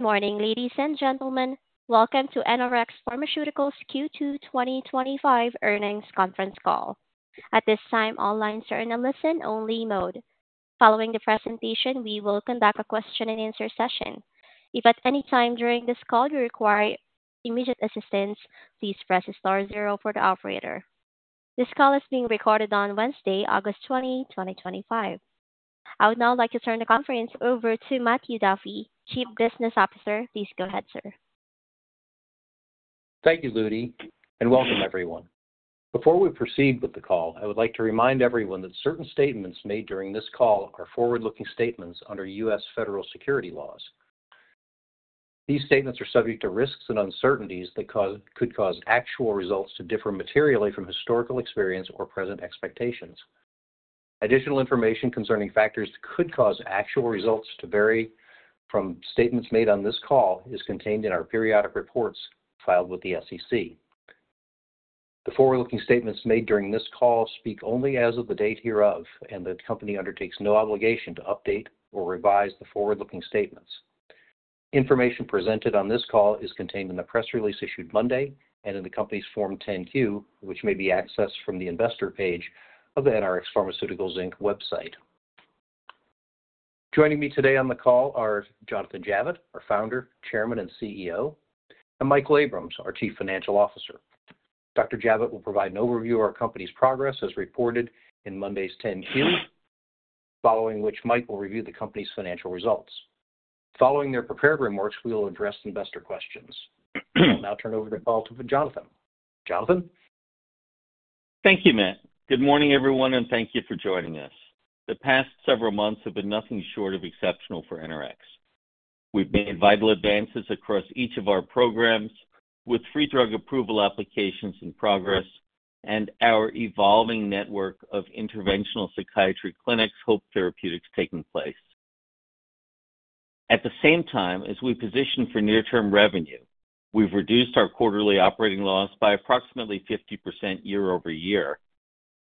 Good morning, ladies and gentlemen. Welcome to NRx Pharmaceuticals Q2 2025 Earnings Conference Call. At this time, all lines are in a listen-only mode. Following the presentation, we will conduct a question-and-answer session. If at any time during this call you require immediate assistance, please press star zero for the operator. This call is being recorded on Wednesday, August 20, 2025. I would now like to turn the conference over to Matthew Duffy, Chief Business Officer. Please go ahead, sir. Thank you, Ludi, and welcome, everyone. Before we proceed with the call, I would like to remind everyone that certain statements made during this call are forward-looking statements under U.S. federal security laws. These statements are subject to risks and uncertainties that could cause actual results to differ materially from historical experience or present expectations. Additional information concerning factors that could cause actual results to vary from statements made on this call is contained in our periodic reports filed with the SEC. The forward-looking statements made during this call speak only as of the date hereof, and the company undertakes no obligation to update or revise the forward-looking statements. Information presented on this call is contained in the press release issued Monday and in the company's Form 10-Q, which may be accessed from the Investor Page of the NRx Pharmaceuticals website. Joining me today on the call are Jonathan Javitt, our Founder, Chairman, and CEO, and Michael Abrams, our Chief Financial Officer. Dr. Javitt will provide an overview of our company's progress as reported in Monday's 10-Q, following which Mike will review the company's financial results. Following their prepared remarks, we will address investor questions. I'll now turn over the call to Jonathan. Jonathan. Thank you, Matt. Good morning, everyone, and thank you for joining us. The past several months have been nothing short of exceptional for NRx. We've made vital advances across each of our programs, with three drug approval applications in progress and our evolving network of interventional psychiatry clinics, Hope Therapeutics, taking place. At the same time, as we position for near-term revenue, we've reduced our quarterly operating loss by approximately 50% year-over-year,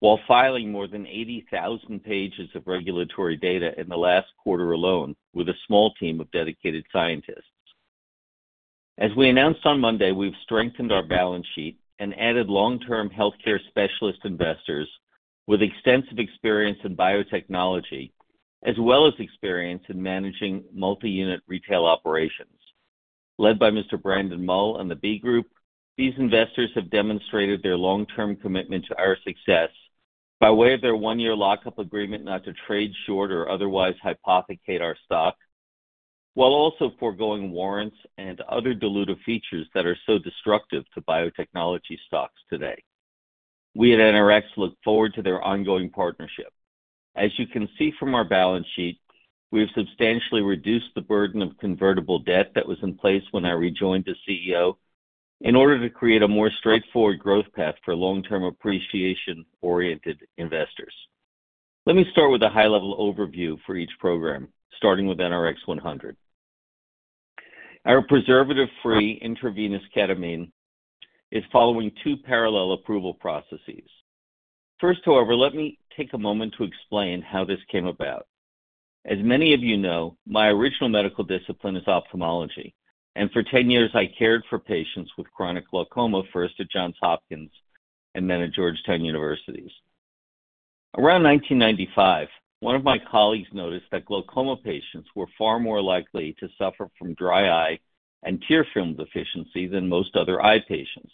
while filing more than 80,000 pages of regulatory data in the last quarter alone with a small team of dedicated scientists. As we announced on Monday, we've strengthened our balance sheet and added long-term healthcare specialist investors with extensive experience in biotechnology, as well as experience in managing multi-unit retail operations. Led by Mr. Brandon Mull and the B Group, these investors have demonstrated their long-term commitment to our success by way of their one-year lockup agreement not to trade short or otherwise hypothecate our stock, while also foregoing warrants and other dilutive features that are so destructive to biotechnology stocks today. We at NRx look forward to their ongoing partnership. As you can see from our balance sheet, we have substantially reduced the burden of convertible debt that was in place when I rejoined as CEO in order to create a more straightforward growth path for long-term appreciation-oriented investors. Let me start with a high-level overview for each program, starting with NRX-100. Our preservative-free intravenous ketamine is following two parallel approval processes. First, however, let me take a moment to explain how this came about. As many of you know, my original medical discipline is ophthalmology, and for 10 years, I cared for patients with chronic glaucoma, first at Johns Hopkins and then at Georgetown University. Around 1995, one of my colleagues noticed that glaucoma patients were far more likely to suffer from dry eye and tear film deficiency than most other eye patients.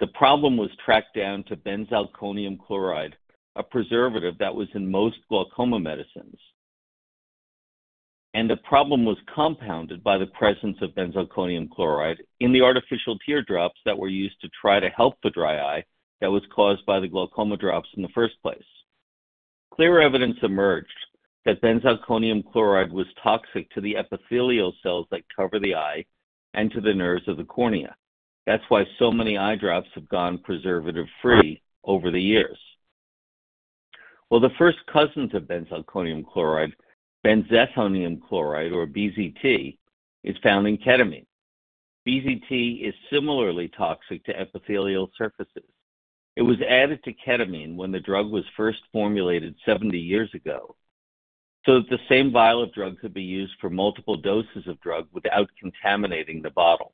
The problem was tracked down to benzalkonium chloride, a preservative that was in most glaucoma medicines. The problem was compounded by the presence of benzalkonium chloride in the artificial tear drops that were used to try to help the dry eye that was caused by the glaucoma drops in the first place. Clear evidence emerged that benzalkonium chloride was toxic to the epithelial cells that cover the eye and to the nerves of the cornea. That's why so many eye drops have gone preservative-free over the years. The first cousin to benzalkonium chloride, benzethonium chloride, or BZT, is found in ketamine. BZT is similarly toxic to epithelial surfaces. It was added to ketamine when the drug was first formulated 70 years ago so that the same vial of drug could be used for multiple doses of drug without contaminating the bottle.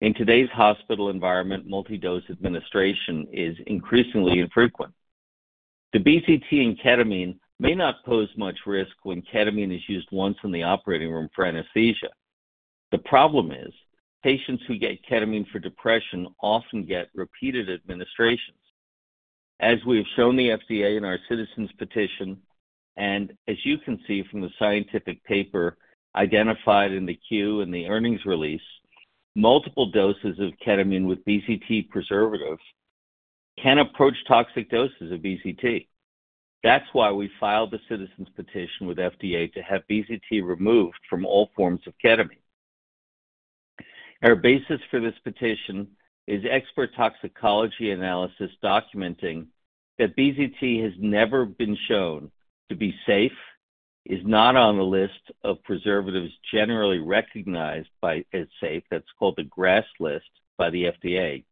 In today's hospital environment, multi-dose administration is increasingly infrequent. The BZT in ketamine may not pose much risk when ketamine is used once in the operating room for anesthesia. The problem is patients who get ketamine for depression often get repeated administrations. As we have shown the FDA in our citizen petition, and as you can see from the scientific paper identified in the Q and the earnings release, multiple doses of ketamine with BZT preservatives can approach toxic doses of BZT. That's why we filed the citizen petition with FDA to have BZT removed from all forms of ketamine. Our basis for this petition is expert toxicology analysis documenting that BZT has never been shown to be safe, is not on a list of preservatives generally recognized as safe. That's called a GRAS list by the FDA.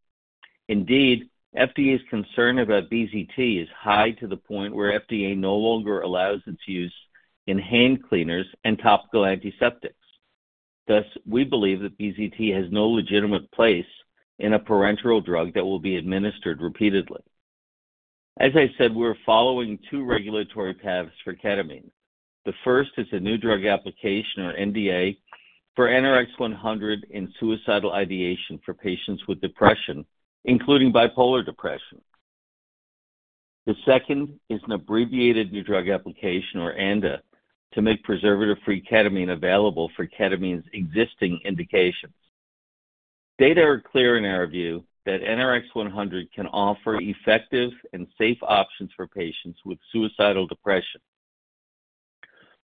Indeed, FDA's concern about BZT is high to the point where FDA no longer allows its use in hand cleaners and topical antiseptics. Thus, we believe that BZT has no legitimate place in a parenteral drug that will be administered repeatedly. As I said, we're following two regulatory paths for ketamine. The first is a New Drug Application, or NDA, for NRX-100 in suicidal ideation for patients with depression, including bipolar depression. The second is an Abbreviated New Drug Application, or ANDA, to make preservative-free ketamine available for ketamine's existing indications. Data are clear in our view that NRX-100 can offer effective and safe options for patients with suicidal depression,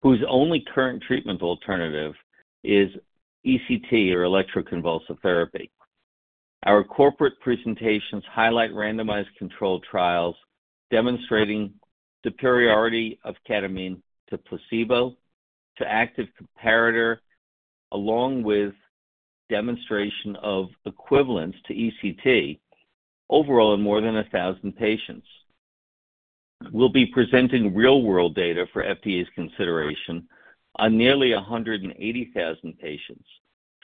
whose only current treatment alternative is ECT or electroconvulsive therapy. Our corporate presentations highlight randomized controlled trials demonstrating the priority of ketamine to placebo to active comparator, along with demonstration of equivalence to ECT overall in more than 1,000 patients. We'll be presenting real-world data for FDA's consideration on nearly 180,000 patients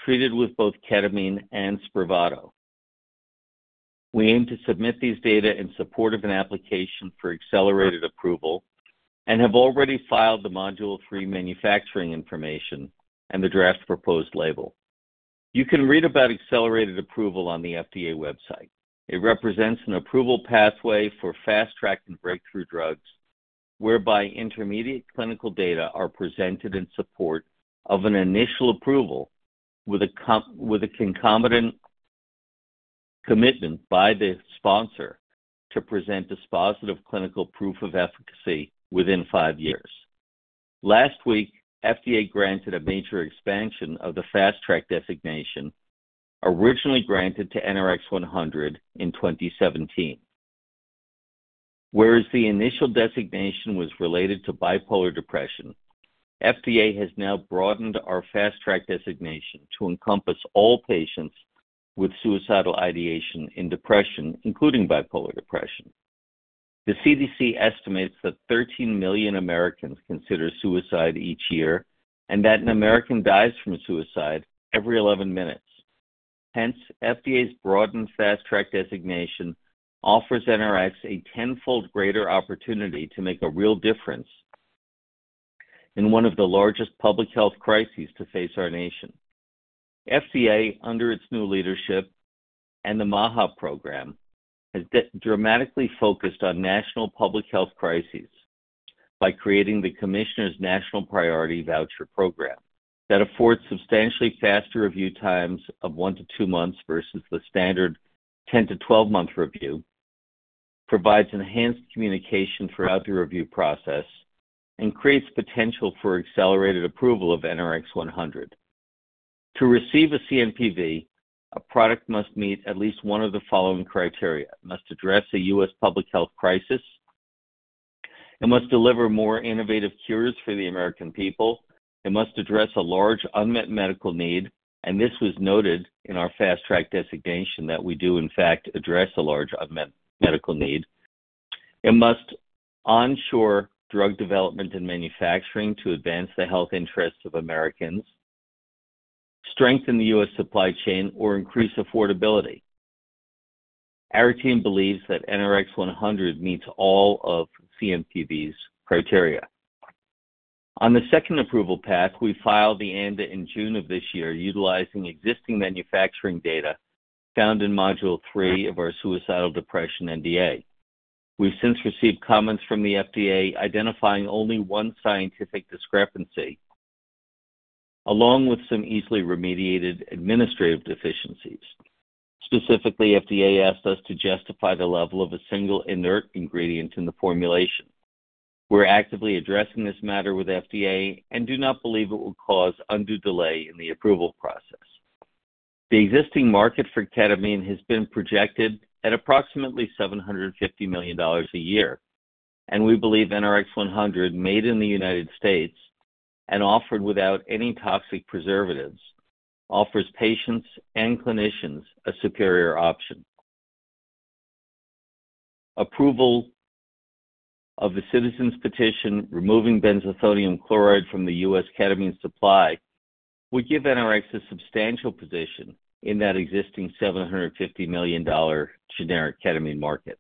treated with both ketamine and Spravato. We aim to submit these data in support of an application for accelerated approval and have already filed the Module 3 manufacturing information and the draft proposed label. You can read about accelerated approval on the FDA website. It represents an approval pathway for fast-tracking breakthrough drugs whereby intermediate clinical data are presented in support of an initial approval with a concomitant commitment by the sponsor to present dispositive clinical proof of efficacy within five years. Last week, FDA granted a major expansion of the fast-track designation originally granted to NRX-100 in 2017. Whereas the initial designation was related to bipolar depression, FDA has now broadened our fast-track designation to encompass all patients with suicidal ideation in depression, including bipolar depression. The CDC estimates that 13 million Americans consider suicide each year and that an American dies from suicide every 11 minutes. Hence, FDA's broadened fast-track designation offers NRx tenfold greater opportunity to make a real difference in one of the largest public health crises to face our nation. FDA, under its new leadership and the MAHA program, has dramatically focused on national public health crises by creating the Commissioner's National Priority Voucher program that affords substantially faster review times of 1-2 months versus the standard 10-12 month review, provides enhanced communication throughout the review process, and creates potential for accelerated approval of NRX-100. To receive a CNPV, a product must meet at least one of the following criteria: it must address a U.S. public health crisis, it must deliver more innovative cures for the American people, it must address a large unmet medical need, and this was noted in our fast-track designation that we do, in fact, address a large unmet medical need. It must onshore drug development and manufacturing to advance the health interests of Americans, strengthen the U.S. supply chain, or increase affordability. Our team believes that NRX-100 meets all of CNPV's criteria. On the second approval path, we filed the ANDA in June of this year utilizing existing manufacturing data found in Module 3 of our suicidal depression NDA. We've since received comments from the FDA identifying only one scientific discrepancy, along with some easily remediated administrative deficiencies. Specifically, FDA asked us to justify the level of a single inert ingredient in the formulation. We're actively addressing this matter with the FDA and do not believe it will cause undue delay in the approval process. The existing market for ketamine has been projected at approximately $750 million a year, and we believe NRX-100, made in the U.S. and offered without any toxic preservatives, offers patients and clinicians a superior option. Approval of the citizen petition removing benzethonium chloride from the U.S. ketamine supply would give NRx Pharmaceuticals a substantial position in that existing $750 million generic ketamine market.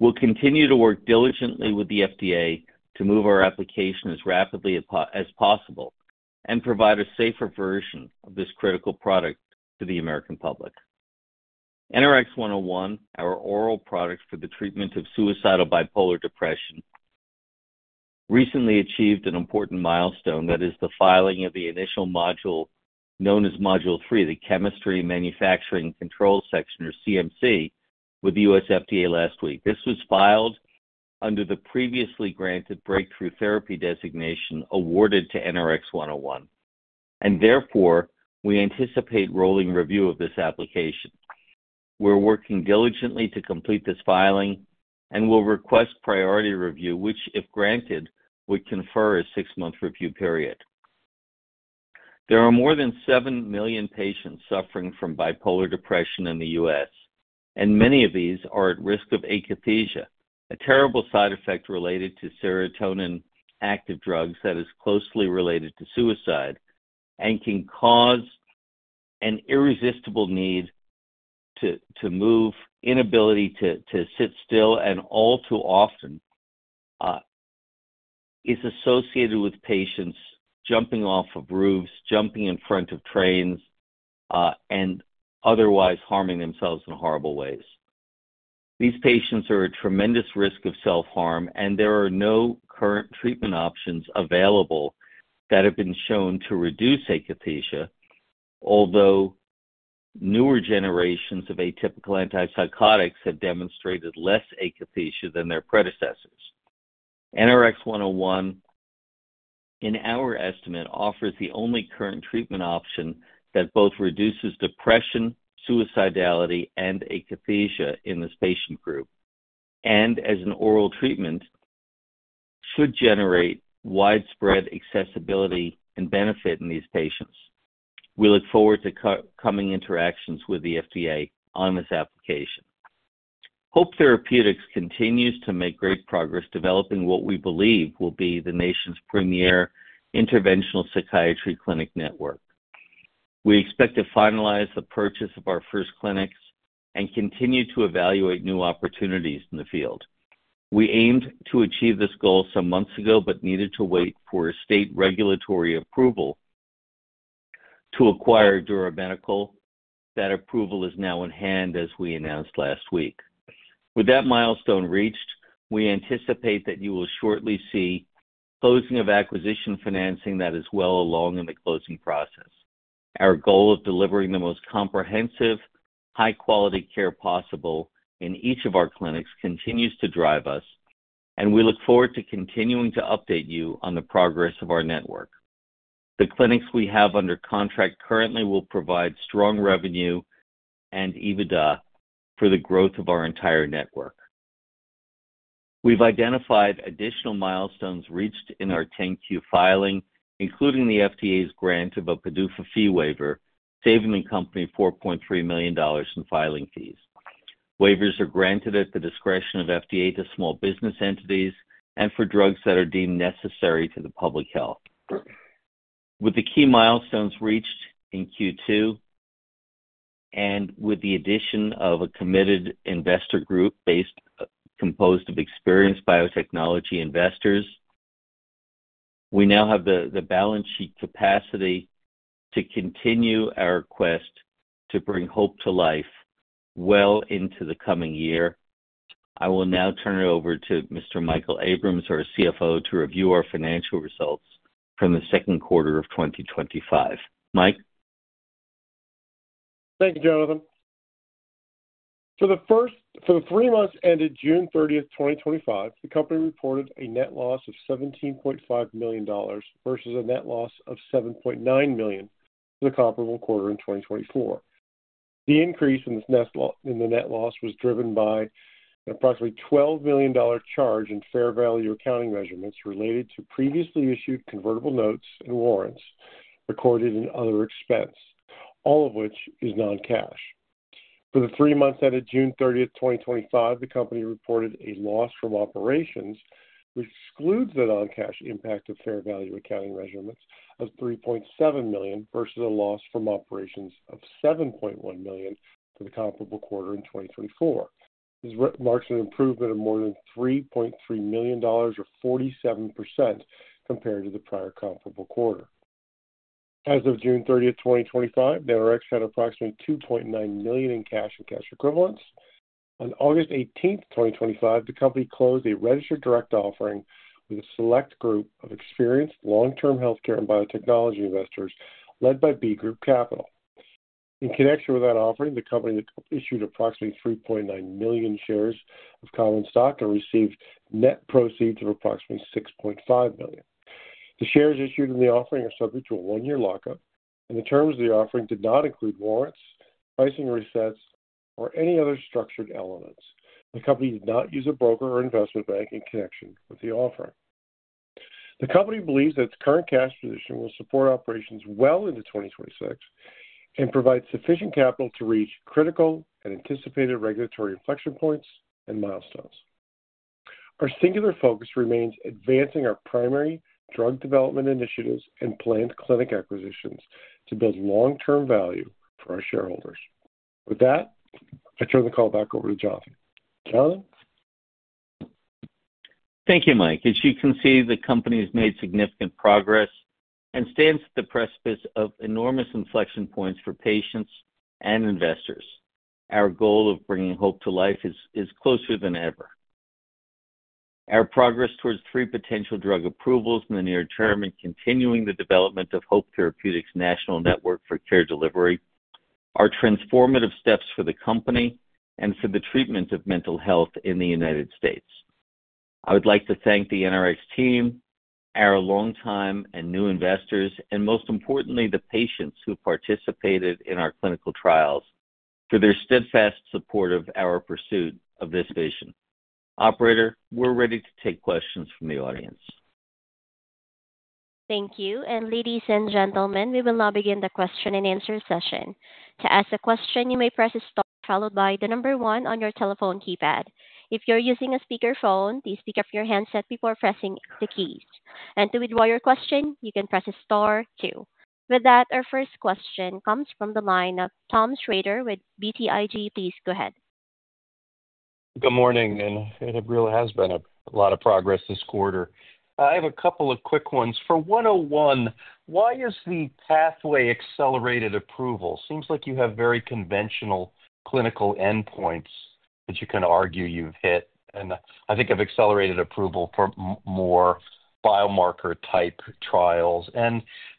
We'll continue to work diligently with the FDA to move our application as rapidly as possible and provide a safer version of this critical product to the American public. NRX-101, our oral product for the treatment of suicidal bipolar depression, recently achieved an important milestone that is the filing of the initial module known as Module 3, the Chemistry Manufacturing Control section, or CMC, with the U.S. FDA last week. This was filed under the previously granted breakthrough therapy designation awarded to NRX-101, and therefore, we anticipate rolling review of this application. We're working diligently to complete this filing and will request priority review, which, if granted, would confer a six-month review period. There are more than 7 million patients suffering from bipolar depression in the U.S., and many of these are at risk of akathisia, a terrible side effect related to serotonin-active drugs that is closely related to suicide and can cause an irresistible need to move, inability to sit still, and all too often is associated with patients jumping off of roofs, jumping in front of trains, and otherwise harming themselves in horrible ways. These patients are at tremendous risk of self-harm, and there are no current treatment options available that have been shown to reduce akathisia, although newer generations of atypical antipsychotics have demonstrated less akathisia than their predecessors. NRX-101, in our estimate, offers the only current treatment option that both reduces depression, suicidality, and akathisia in this patient group and, as an oral treatment, should generate widespread accessibility and benefit in these patients. We look forward to coming interactions with the FDA on this application. Hope Therapeutics continues to make great progress developing what we believe will be the nation's premier interventional psychiatry clinic network. We expect to finalize the purchase of our first clinics and continue to evaluate new opportunities in the field. We aimed to achieve this goal some months ago but needed to wait for state regulatory approval to acquire Dura Medical. That approval is now in hand, as we announced last week. With that milestone reached, we anticipate that you will shortly see closing of acquisition financing that is well along in the closing process. Our goal of delivering the most comprehensive, high-quality care possible in each of our clinics continues to drive us, and we look forward to continuing to update you on the progress of our network. The clinics we have under contract currently will provide strong revenue and EBITDA for the growth of our entire network. We've identified additional milestones reached in our 10-Q filing, including the FDA's grant of a PDUFA fee waiver, saving the company $4.3 million in filing fees. Waivers are granted at the discretion of the FDA to small business entities and for drugs that are deemed necessary to the public health. With the key milestones reached in Q2 and with the addition of a committed investor group composed of experienced biotechnology investors, we now have the balance sheet capacity to continue our quest to bring hope to life well into the coming year. I will now turn it over to Mr. Michael Abrams, our CFO, to review our financial results from the second quarter of 2025. Mike? Thank you, Jonathan. For the three months ended June 30, 2025, the company reported a net loss of $17.5 million versus a net loss of $7.9 million for the comparable quarter in 2024. The increase in the net loss was driven by an approximately $12 million charge in fair value accounting measurements related to previously issued convertible notes and warrants recorded in other expense, all of which is non-cash. For the three months ended June 30, 2025, the company reported a loss from operations, which excludes the non-cash impact of fair value accounting measurements, of $3.7 million versus a loss from operations of $7.1 million for the comparable quarter in 2024. This marks an improvement of more than $3.3 million, or 47% compared to the prior comparable quarter. As of June 30, 2025, NRx had approximately $2.9 million in cash and cash equivalents. On August 18, 2025, the company closed a registered direct offering with a select group of experienced long-term healthcare and biotechnology investors led by B Group Capital. In connection with that offering, the company issued approximately 3.9 million shares of common stock and received net proceeds of approximately $6.5 million. The shares issued in the offering are subject to a one-year lockup, and the terms of the offering did not include warrants, pricing resets, or any other structured elements. The company did not use a broker or investment bank in connection with the offering. The company believes that its current cash position will support operations well into 2026 and provide sufficient capital to reach critical and anticipated regulatory inflection points and milestones. Our singular focus remains advancing our primary drug development initiatives and planned clinic acquisitions to build long-term value for our shareholders. With that, I turn the call back over to Jonathan. Jonathan? Thank you, Mike. As you can see, the company has made significant progress and stands at the precipice of enormous inflection points for patients and investors. Our goal of bringing hope to life is closer than ever. Our progress towards three potential drug approvals in the near term and continuing the development of Hope Therapeutics' national network for care delivery are transformative steps for the company and for the treatment of mental health in the U.S. I would like to thank the NRx team, our longtime and new investors, and most importantly, the patients who participated in our clinical trials for their steadfast support of our pursuit of this vision. Operator, we're ready to take questions from the audience. Thank you. Ladies and gentlemen, we will now begin the question-and-answer session. To ask a question, you may press star followed by the number one on your telephone keypad. If you're using a speakerphone, please pick up your handset before pressing the keys. To withdraw your question, you can press star two. Our first question comes from the line of Thomas Shrader with BTIG. Please go ahead. Good morning. It really has been a lot of progress this quarter. I have a couple of quick ones. For 101, why is the pathway accelerated approval? Seems like you have very conventional clinical endpoints that you can argue you've hit. I think of accelerated approval for more biomarker-type trials.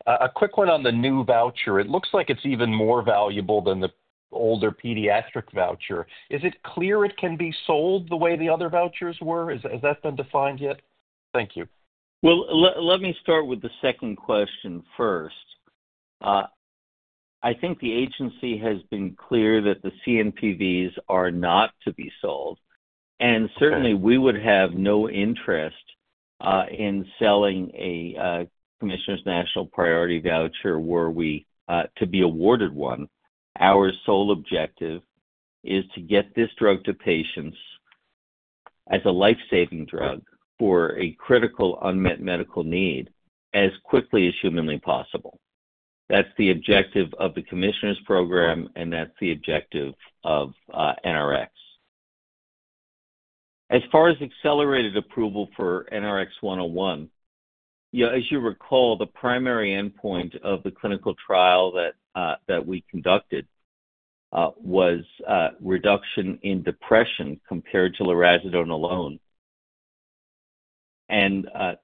A quick one on the new voucher. It looks like it's even more valuable than the older pediatric voucher. Is it clear it can be sold the way the other vouchers were? Has that been defined yet? Thank you. Let me start with the second question first. I think the agency has been clear that the CNPVs are not to be sold. Certainly, we would have no interest in selling a Commissioner's National Priority Voucher were we to be awarded one. Our sole objective is to get this drug to patients as a lifesaving drug for a critical unmet medical need as quickly as humanly possible. That's the objective of the Commissioner's program, and that's the objective of NRx. As far as accelerated approval for NRX-101, as you recall, the primary endpoint of the clinical trial that we conducted was reduction in depression compared to lurasidone alone. The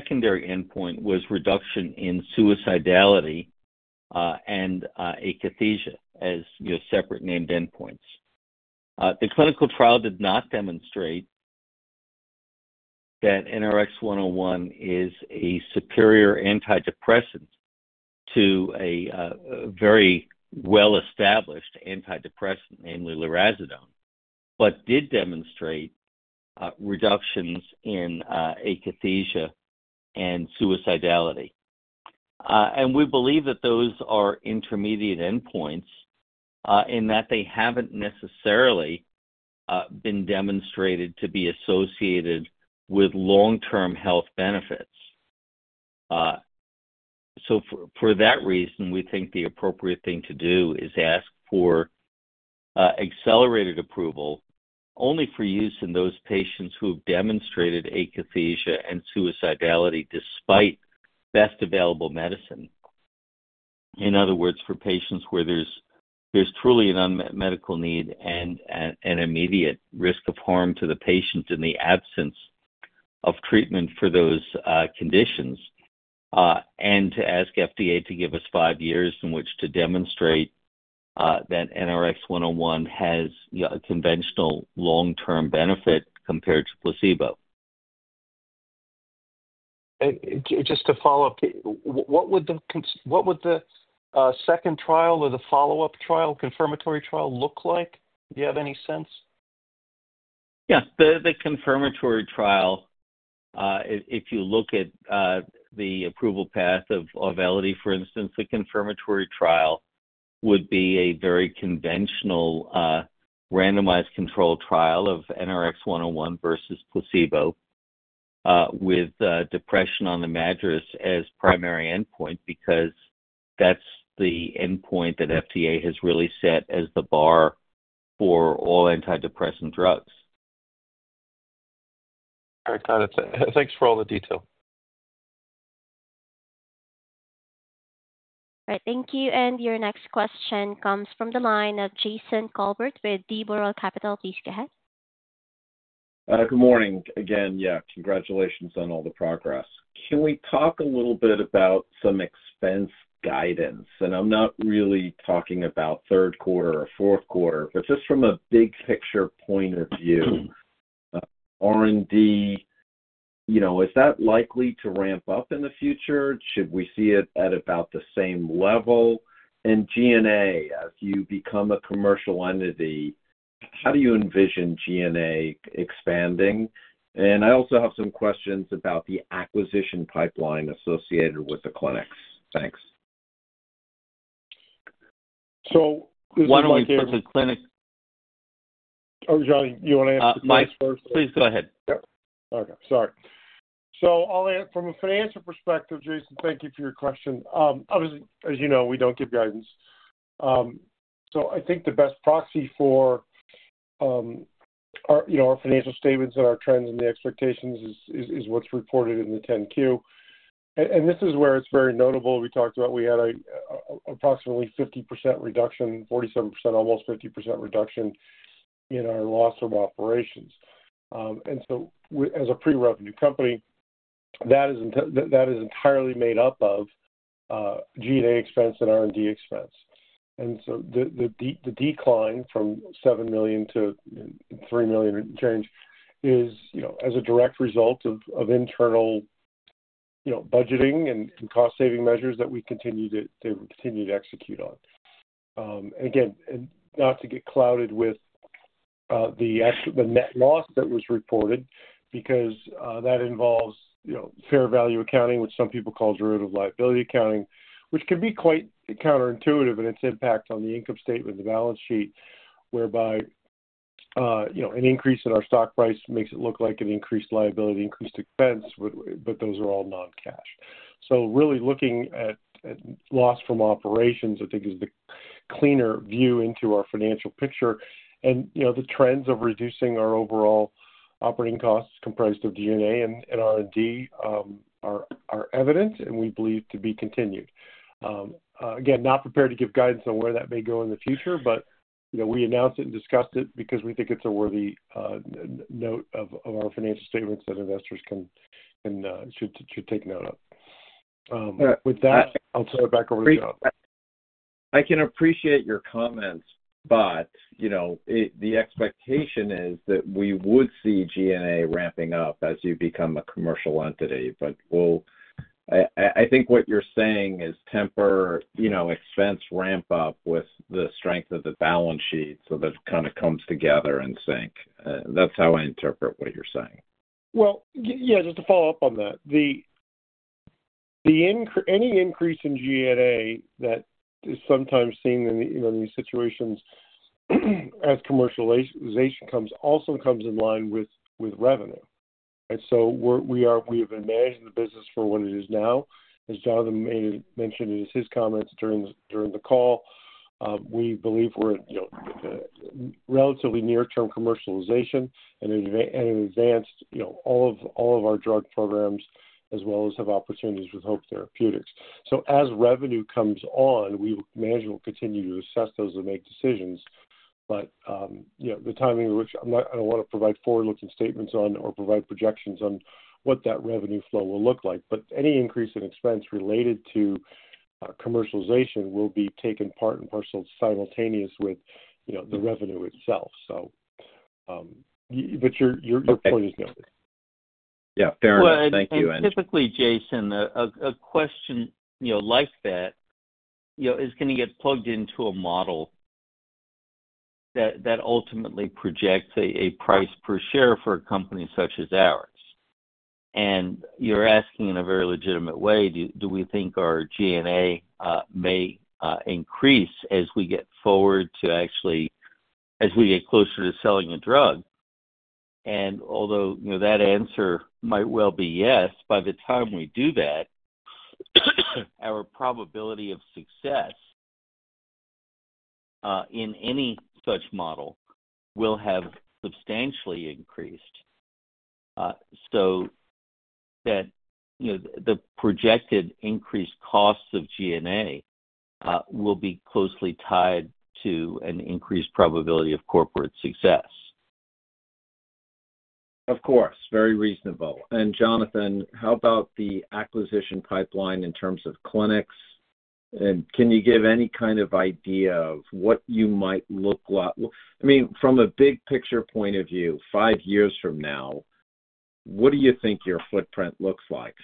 secondary endpoint was reduction in suicidality and akathisia as your separate named endpoints. The clinical trial did not demonstrate that NRX-101 is a superior antidepressant to a very well-established antidepressant, namely lurasidone, but did demonstrate reductions in akathisia and suicidality. We believe that those are intermediate endpoints and that they haven't necessarily been demonstrated to be associated with long-term health benefits. For that reason, we think the appropriate thing to do is ask for accelerated approval only for use in those patients who have demonstrated akathisia and suicidality despite best available medicine. In other words, for patients where there's truly an unmet medical need and an immediate risk of harm to the patient in the absence of treatment for those conditions, and to ask FDA to give us five years in which to demonstrate that NRX-101 has a conventional long-term benefit compared to placebo. To follow up, what would the second trial or the follow-up trial, confirmatory trial, look like? Do you have any sense? Yeah. The confirmatory trial, if you look at the approval path of Auvelity, for instance, the confirmatory trial would be a very conventional randomized control trial of NRX-101 versus placebo with depression on the MADRS as primary endpoint because that's the endpoint that FDA has really set as the bar for all antidepressant drugs. All right, Jonathan. Thanks for all the detail. All right. Thank you. Your next question comes from the line of Jason Kolbert with D. Boral Capital. Please go ahead. Good morning again. Congratulations on all the progress. Can we talk a little bit about some expense guidance? I'm not really talking about third quarter or fourth quarter, but just from a big-picture point of view, R&D, you know, is that likely to ramp up in the future? Should we see it at about the same level? G&A, as you become a commercial entity, how do you envision G&A expanding? I also have some questions about the acquisition pipeline associated with the clinics. Thanks. One of my guess is clinics. John, you want to answer the clinics first? Please go ahead. Okay. Sorry. I'll answer from a financial perspective, Jason, thank you for your question. Obviously, as you know, we don't give guidance. I think the best proxy for our financial statements and our trends and the expectations is what's reported in the 10-Q. This is where it's very notable. We talked about we had an approximately 50% reduction, 47%, almost 50% reduction in our loss from operations. As a pre-revenue company, that is entirely made up of G&A expense and R&D expense. The decline from $7 million to $3 million or change is as a direct result of internal budgeting and cost-saving measures that we continue to execute on. Not to get clouded with the net loss that was reported because that involves fair value accounting, which some people call derivative liability accounting, which can be quite counterintuitive in its impact on the income statement and the balance sheet, whereby an increase in our stock price makes it look like an increased liability, increased expense, but those are all non-cash. Really, looking at loss from operations, I think, is the cleaner view into our financial picture. The trends of reducing our overall operating costs comprised of G&A and R&D are evident and we believe to be continued. Not prepared to give guidance on where that may go in the future, but we announced it and discussed it because we think it's a worthy note of our financial statements that investors should take note of. With that, I'll turn it back over to Jonathan. I can appreciate your comments. The expectation is that we would see G&A ramping up as you become a commercial entity. I think what you're saying is temper expense ramp up with the strength of the balance sheet so that it kind of comes together in sync. That's how I interpret what you're saying. Yes, just to follow up on that, any increase in G&A that is sometimes seen in these situations as commercialization comes also comes in line with revenue. We have been managing the business for what it is now. As Jonathan Javitt mentioned in his comments during the call, we believe we're at, you know, relatively near-term commercialization and in advance, you know, all of our drug programs as well as have opportunities with Hope Therapeutics. As revenue comes on, management will continue to assess those and make decisions. The timing in which I'm not going to want to provide forward-looking statements on or provide projections on what that revenue flow will look like. Any increase in expense related to commercialization will be taken part and parcel simultaneous with, you know, the revenue itself. Your point is noted. Yeah, fair enough. Thank you. Typically, Jason, a question like that is going to get plugged into a model that ultimately projects a price per share for a company such as ours. You're asking in a very legitimate way, do we think our G&A may increase as we get forward to actually, as we get closer to selling a drug? Although that answer might well be yes, by the time we do that, our probability of success in any such model will have substantially increased. The projected increased costs of G&A will be closely tied to an increased probability of corporate success. Of course, very reasonable. Jonathan, how about the acquisition pipeline in terms of clinics? Can you give any kind of idea of what you might look like? From a big-picture point of view, five years from now, what do you think your footprint looks like?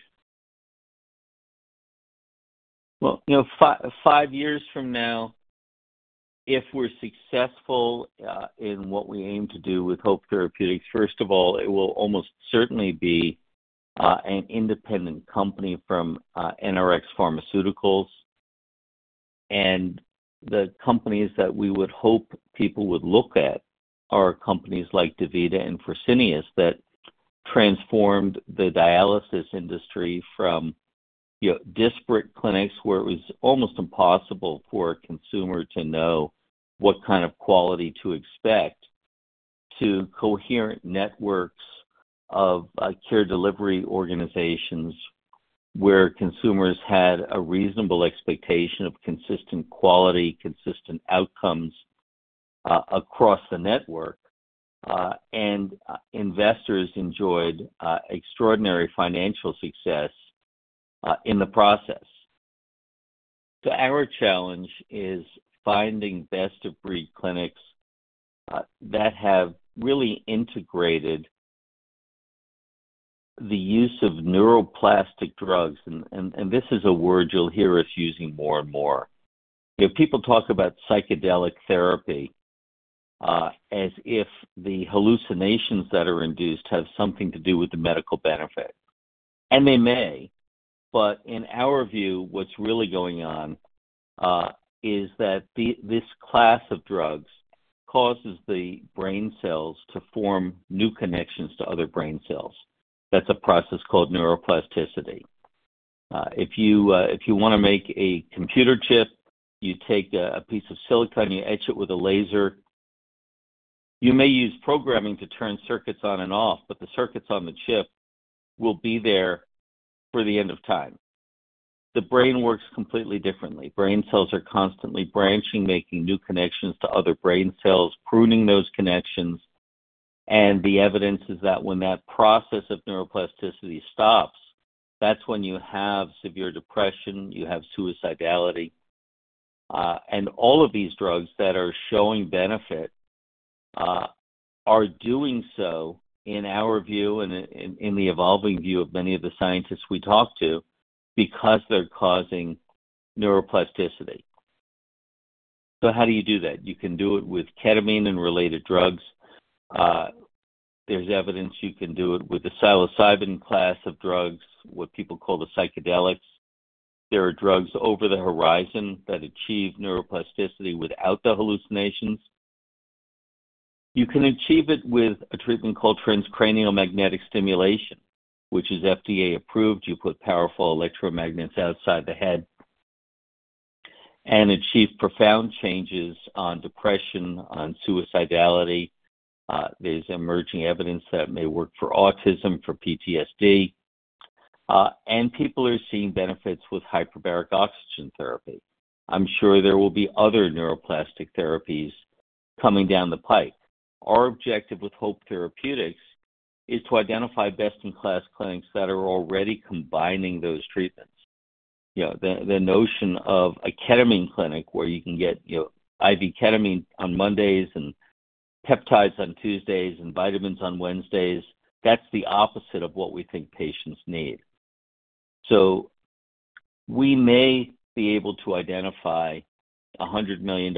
Five years from now, if we're successful in what we aim to do with Hope Therapeutics, first of all, it will almost certainly be an independent company from NRx Pharmaceuticals. The companies that we would hope people would look at are companies like DaVita and Fresenius that transformed the dialysis industry from disparate clinics where it was almost impossible for a consumer to know what kind of quality to expect to coherent networks of care delivery organizations where consumers had a reasonable expectation of consistent quality, consistent outcomes across the network. Investors enjoyed extraordinary financial success in the process. Our challenge is finding best-of-breed clinics that have really integrated the use of neuroplastic drugs. This is a word you'll hear us using more and more. People talk about psychedelic therapy as if the hallucinations that are induced have something to do with the medical benefit, and they may. In our view, what's really going on is that this class of drugs causes the brain cells to form new connections to other brain cells. That's a process called neuroplasticity. If you want to make a computer chip, you take a piece of silicon, you etch it with a laser. You may use programming to turn circuits on and off, but the circuits on the chip will be there for the end of time. The brain works completely differently. Brain cells are constantly branching, making new connections to other brain cells, pruning those connections. The evidence is that when that process of neuroplasticity stops, that's when you have severe depression, you have suicidality. All of these drugs that are showing benefit are doing so in our view and in the evolving view of many of the scientists we talk to because they're causing neuroplasticity. How do you do that? You can do it with ketamine and related drugs. There's evidence you can do it with the psilocybin class of drugs, what people call the psychedelics. There are drugs over the horizon that achieve neuroplasticity without the hallucinations. You can achieve it with a treatment called transcranial magnetic stimulation, which is FDA approved. You put powerful electromagnets outside the head and achieve profound changes on depression, on suicidality. There's emerging evidence that it may work for autism, for PTSD. People are seeing benefits with hyperbaric oxygen therapy. I'm sure there will be other neuroplastic therapies coming down the pike. Our objective with Hope Therapeutics is to identify best-in-class clinics that are already combining those treatments. The notion of a ketamine clinic where you can get IV ketamine on Mondays and peptides on Tuesdays and vitamins on Wednesdays, that's the opposite of what we think patients need. We may be able to identify $100 million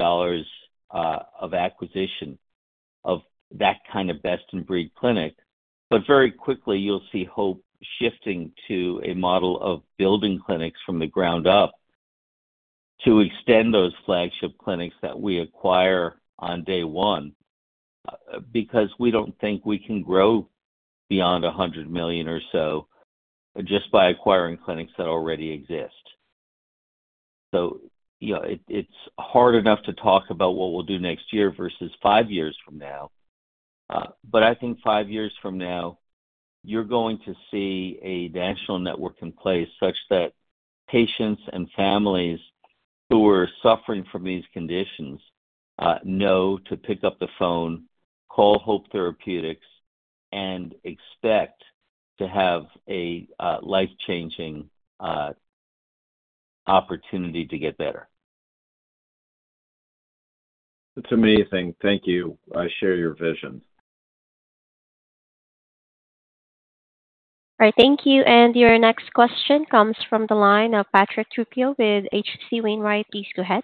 of acquisition of that kind of best-in-breed clinic. Very quickly, you'll see Hope shifting to a model of building clinics from the ground up to extend those flagship clinics that we acquire on day one because we don't think we can grow beyond $100 million or so just by acquiring clinics that already exist. It's hard enough to talk about what we'll do next year versus five years from now. I think five years from now, you're going to see a national network in place such that patients and families who are suffering from these conditions know to pick up the phone, call Hope Therapeutics, and expect to have a life-changing opportunity to get better. That's amazing. Thank you. I share your vision. All right. Thank you. Your next question comes from the line of Patrick Trucchio with H.C. Wainwrigh. Please go ahead.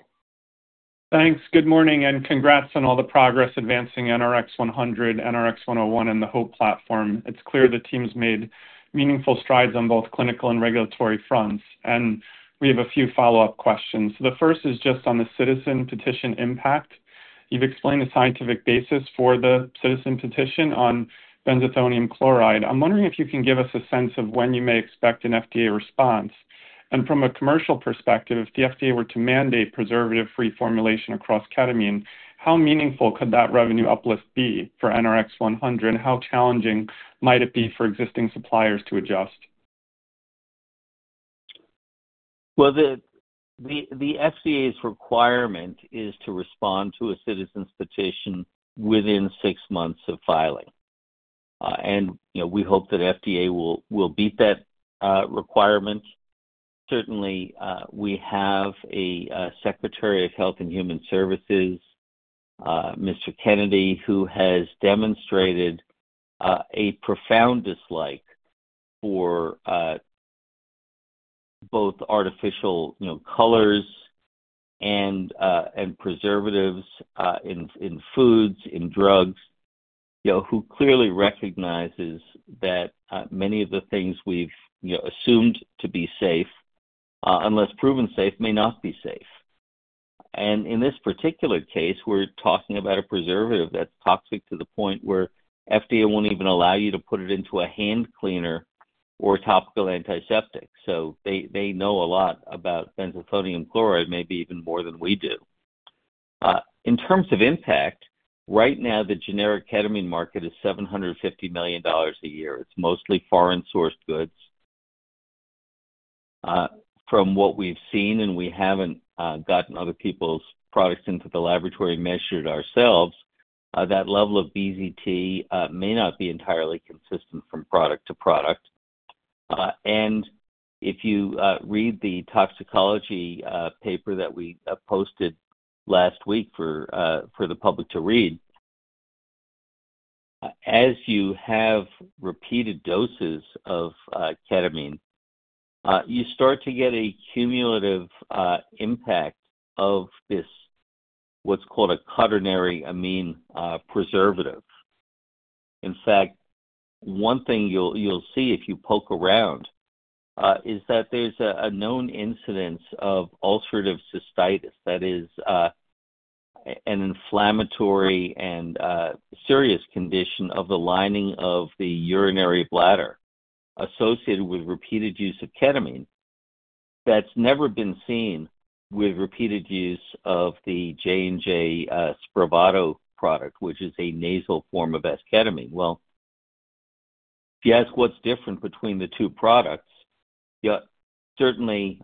Thanks. Good morning and congrats on all the progress advancing NRX-100, NRX-101, and the Hope platform. It's clear the team's made meaningful strides on both clinical and regulatory fronts. We have a few follow-up questions. The first is just on the citizen petition impact. You've explained a scientific basis for the citizen petition on benzethonium chloride. I'm wondering if you can give us a sense of when you may expect an FDA response. From a commercial perspective, if the FDA were to mandate preservative-free formulation across ketamine, how meaningful could that revenue uplift be for NRX-100? How challenging might it be for existing suppliers to adjust? The FDA's requirement is to respond to a citizen petition within six months of filing. We hope that FDA will beat that requirement. Certainly, we have a Secretary of Health and Human Services, Mr. Kennedy, who has demonstrated a profound dislike for both artificial colors and preservatives in foods and drugs, who clearly recognizes that many of the things we've assumed to be safe, unless proven safe, may not be safe. In this particular case, we're talking about a preservative that's toxic to the point where FDA won't even allow you to put it into a hand cleaner or topical antiseptic. They know a lot about benzethonium chloride, maybe even more than we do. In terms of impact, right now, the generic ketamine market is $750 million a year. It's mostly foreign-sourced goods. From what we've seen, and we haven't gotten other people's products into the laboratory and measured ourselves, that level of BZT may not be entirely consistent from product to product. If you read the toxicology paper that we posted last week for the public to read, as you have repeated doses of ketamine, you start to get a cumulative impact of this what's called a quaternary amine preservative. In fact, one thing you'll see if you poke around is that there's a known incidence of ulcerative cystitis. That is an inflammatory and serious condition of the lining of the urinary bladder associated with repeated use of ketamine that's never been seen with repeated use of the J&J Spravato product, which is a nasal form of S-ketamine. If you ask what's different between the two products, certainly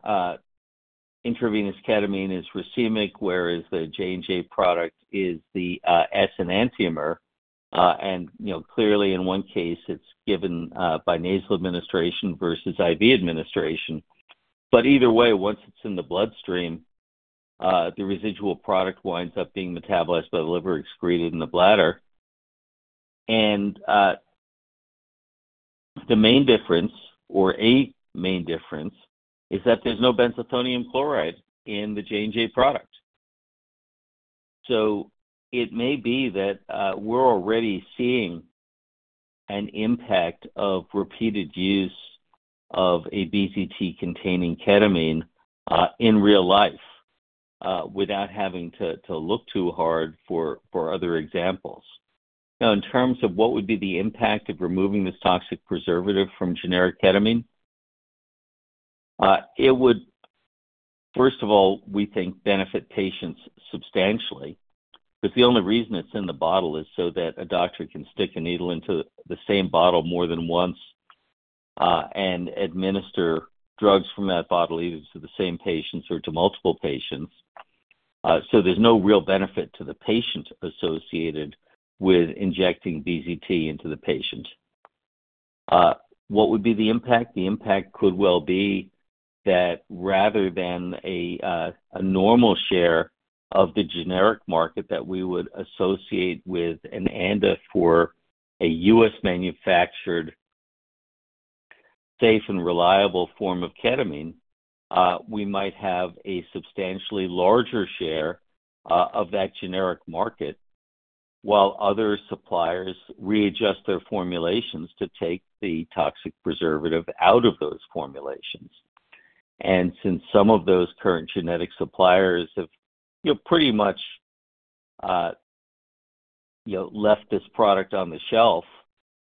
intravenous ketamine is racemic, whereas the J&J product is the S-enantiomer. In one case, it's given by nasal administration versus IV administration. Either way, once it's in the bloodstream, the residual product winds up being metabolized by the liver, excreted in the bladder. The main difference, or a main difference, is that there's no benzethonium chloride in the J&J product. It may be that we're already seeing an impact of repeated use of a BZT-containing ketamine in real life without having to look too hard for other examples. Now, in terms of what would be the impact of removing this toxic preservative from generic ketamine, it would, first of all, we think, benefit patients substantially because the only reason it's in the bottle is so that a doctor can stick a needle into the same bottle more than once and administer drugs from that bottle either to the same patients or to multiple patients. There's no real benefit to the patient associated with injecting BZT into the patient. What would be the impact? The impact could well be that rather than a normal share of the generic market that we would associate with an ANDA for a U.S.-manufactured, safe, and reliable form of ketamine, we might have a substantially larger share of that generic market while other suppliers readjust their formulations to take the toxic preservative out of those formulations. Since some of those current generic suppliers have pretty much left this product on the shelf,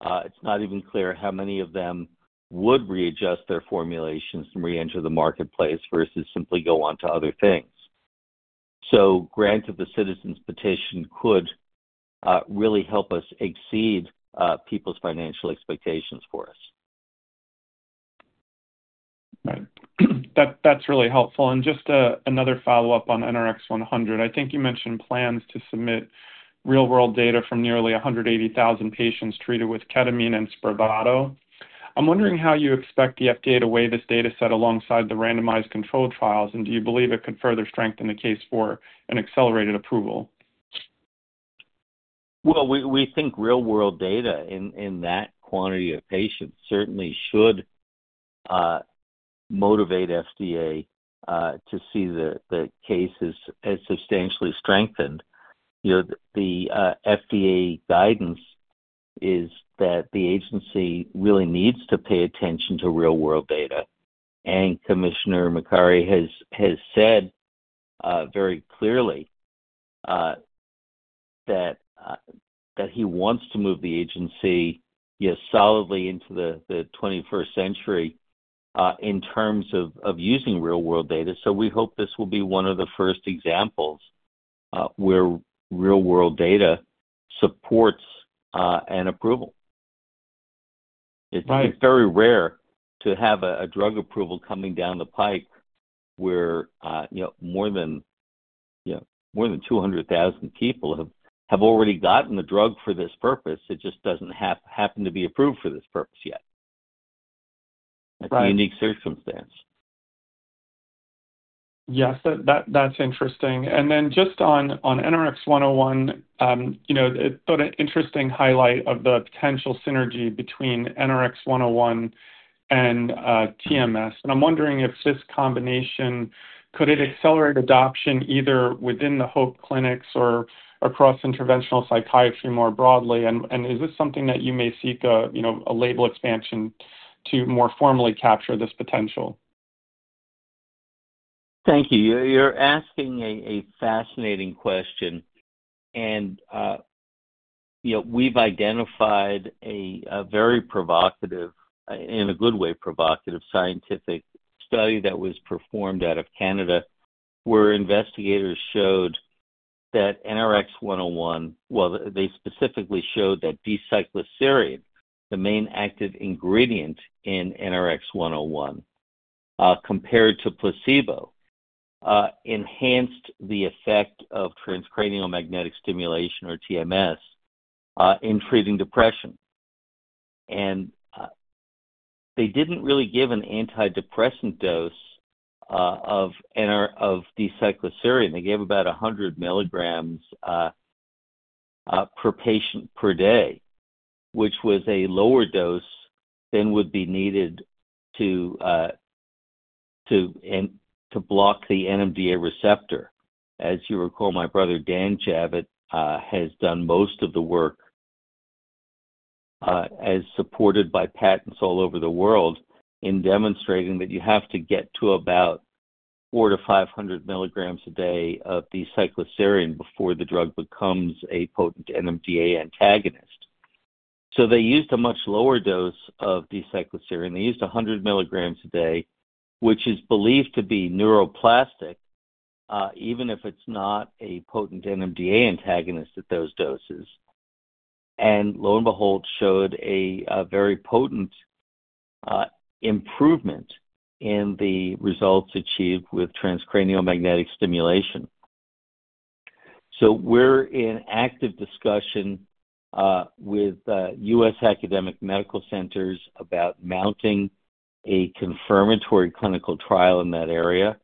it's not even clear how many of them would readjust their formulations and re-enter the marketplace versus simply go on to other things. Granted, the citizen petition could really help us exceed people's financial expectations for us. Right. That's really helpful. Just another follow-up on NRX-100. I think you mentioned plans to submit real-world data from nearly 180,000 patients treated with ketamine and Spravato. I'm wondering how you expect the FDA to weigh this data set alongside the randomized control trials, and do you believe it could further strengthen the case for an accelerated approval? We think real-world data in that quantity of patients certainly should motivate the FDA to see the cases as substantially strengthened. The FDA guidance is that the agency really needs to pay attention to real-world data. Commissioner McCarry has said very clearly that he wants to move the agency solidly into the 21st century in terms of using real-world data. We hope this will be one of the first examples where real-world data supports an approval. It's very rare to have a drug approval coming down the pike where more than 200,000 people have already gotten the drug for this purpose. It just doesn't happen to be approved for this purpose yet. That's a unique circumstance. Yes, that's interesting. Just on NRX-101, it's an interesting highlight of the potential synergy between NRX-101 and TMS. I'm wondering if this combination could accelerate adoption either within the Hope clinics or across interventional psychiatry more broadly. Is this something that you may seek a label expansion to more formally capture this potential? Thank you. You're asking a fascinating question. We've identified a very provocative, in a good way, provocative scientific study that was performed out of Canada, where investigators showed that NRX-101, well, they specifically showed that d-cycloserine, the main active ingredient in NRX-101, compared to placebo, enhanced the effect of transcranial magnetic stimulation, or TMS, in treating depression. They didn't really give an antidepressant dose of d-cycloserine. They gave about 100 mg per patient per day, which was a lower dose than would be needed to block the NMDA receptor. As you recall, my brother Dan Javitt has done most of the work, as supported by patents all over the world, in demonstrating that you have to get to about 400 mg-500 mg a day of d-cycloserine before the drug becomes a potent NMDA antagonist. They used a much lower dose of d-cycloserine. They used 100 mg a day, which is believed to be neuroplastic, even if it's not a potent NMDA antagonist at those doses. Lo and behold, they showed a very potent improvement in the results achieved with transcranial magnetic stimulation. We're in active discussion with U.S. academic medical centers about mounting a confirmatory clinical trial in that area.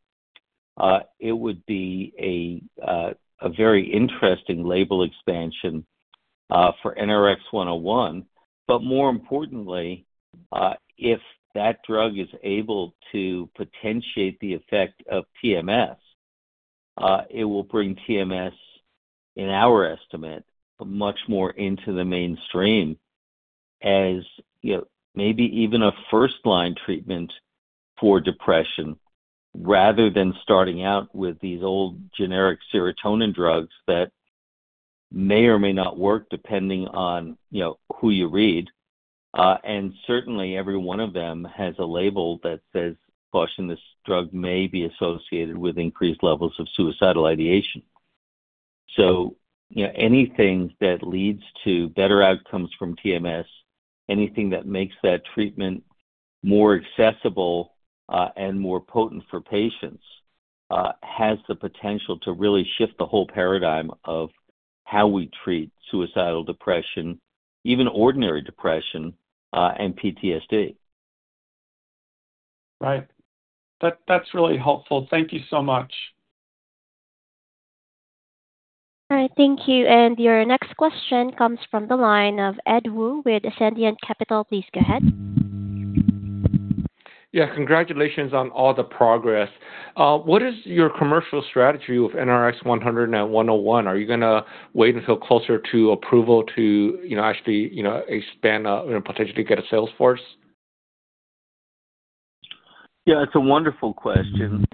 It would be a very interesting label expansion for NRX-101. More importantly, if that drug is able to potentiate the effect of TMS, it will bring TMS, in our estimate, much more into the mainstream as maybe even a first-line treatment for depression rather than starting out with these old generic serotonin drugs that may or may not work depending on who you read. Certainly, every one of them has a label that says, "Gosh, and this drug may be associated with increased levels of suicidal ideation." Anything that leads to better outcomes from TMS, anything that makes that treatment more accessible and more potent for patients has the potential to really shift the whole paradigm of how we treat suicidal depression, even ordinary depression, and PTSD. Right. That's really helpful. Thank you so much. All right. Thank you. Your next question comes from the line of Ed Wu with Ascendiant Capital. Please go ahead. Yeah. Congratulations on all the progress. What is your commercial strategy with NRX-100 and 101? Are you going to wait until closer to approval to actually expand and potentially get a sales force? Yeah, it's a wonderful question.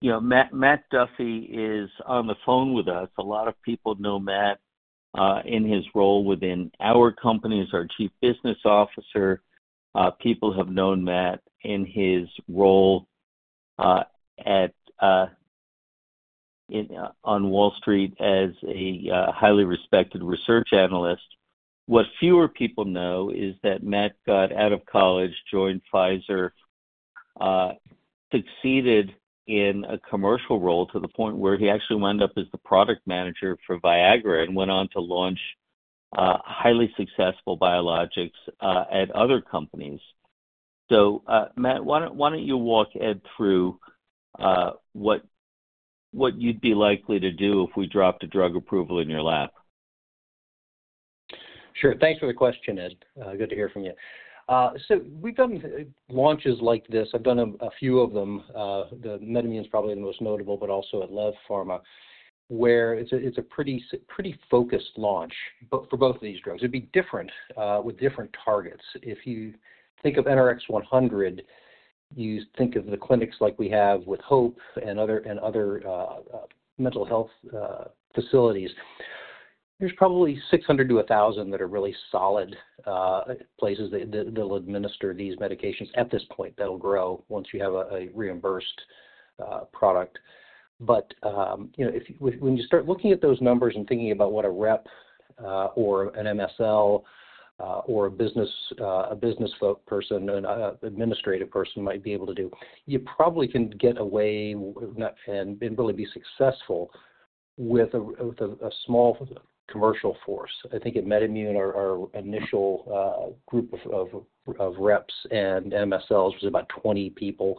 You know, Matthew Duffy is on the phone with us. A lot of people know Matt in his role within our company as our Chief Business Officer. People have known Matt in his role on Wall Street as a highly respected research analyst. What fewer people know is that Matt got out of college, joined Pfizer, succeeded in a commercial role to the point where he actually wound up as the product manager for Viagra and went on to launch highly successful biologics at other companies. Matt, why don't you walk Ed through what you'd be likely to do if we dropped a drug approval in your lap? Sure. Thanks for the question, Ed. Good to hear from you. We've done launches like this. I've done a few of them. The Metamine is probably the most notable, but also at Lev Pharma, where it's a pretty focused launch for both of these drugs. It'd be different with different targets. If you think of NRX-100, you think of the clinics like we have with Hope Therapeutics and other mental health facilities. There's probably 600-1,000 that are really solid places that they'll administer these medications at this point. That'll grow once you have a reimbursed product. When you start looking at those numbers and thinking about what a rep or an MSL or a business person and an administrative person might be able to do, you probably can get away and really be successful with a small commercial force. I think at Metamine, our initial group of reps and MSLs was about 20 people.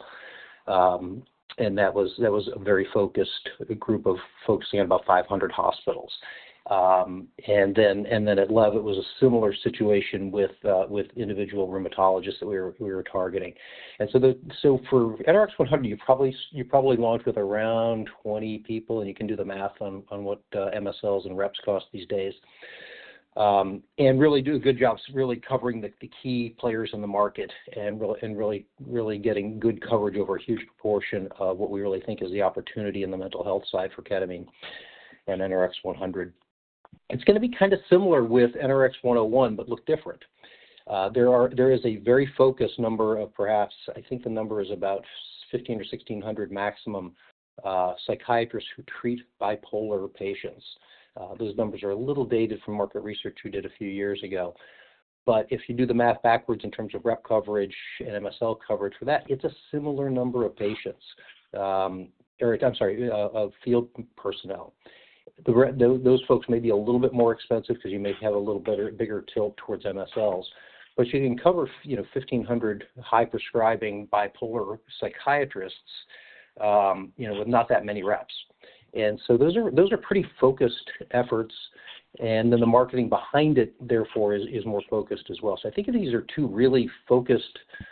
That was a very focused group of folks in about 500 hospitals. At Lev, it was a similar situation with individual rheumatologists that we were targeting. For NRX-100, you probably launch with around 20 people, and you can do the math on what MSLs and reps cost these days and really do a good job really covering the key players in the market and really getting good coverage over a huge proportion of what we really think is the opportunity in the mental health side for ketamine and NRX-100. It's going to be kind of similar with NRX-101, but look different. There is a very focused number of perhaps, I think the number is about 1,500 or 1,600 maximum psychiatrists who treat bipolar patients. Those numbers are a little dated from market research we did a few years ago. If you do the math backwards in terms of rep coverage and MSL coverage for that, it's a similar number of patients. I'm sorry, field personnel. Those folks may be a little bit more expensive because you may have a little bigger tilt towards MSLs. You can cover 1,500 high-prescribing bipolar psychiatrists with not that many reps. Those are pretty focused efforts. The marketing behind it, therefore, is more focused as well. I think these are two really focused launches.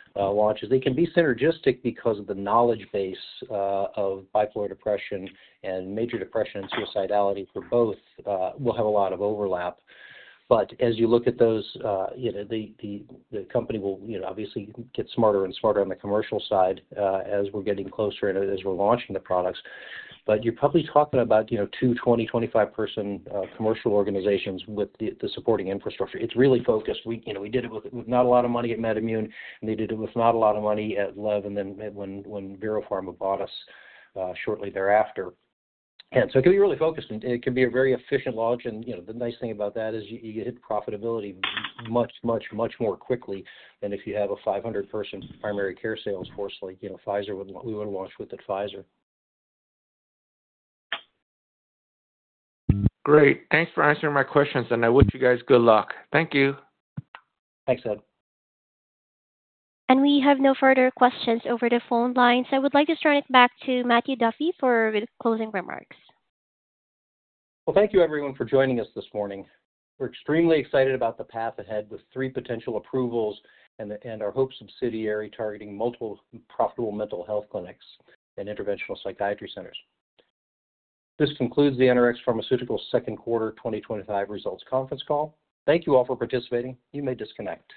They can be synergistic because of the knowledge base of bipolar depression and major depression and suicidality for both will have a lot of overlap. As you look at those, the company will obviously get smarter and smarter on the commercial side as we're getting closer and as we're launching the products. You're probably talking about, you know, two 20, 25-person commercial organizations with the supporting infrastructure. It's really focused. We did it with not a lot of money at MedImmune. They did it with not a lot of money at Lev, and when BioPharma bought us shortly thereafter, it can be really focused. It can be a very efficient launch. The nice thing about that is you hit profitability much, much, much more quickly than if you have a 500-person primary care salesforce like we would launch with at Pfizer. Great. Thanks for answering my questions. I wish you guys good luck. Thank you. Thanks, Ed. We have no further questions over the phone line. I would like to turn it back to Matthew Duffy for closing remarks. Thank you, everyone, for joining us this morning. We're extremely excited about the path ahead with three potential approvals and our Hope subsidiary targeting multiple profitable mental health clinics and interventional psychiatry centers. This concludes the NRx Pharmaceuticals second quarter 2025 results conference call. Thank you all for participating. You may disconnect.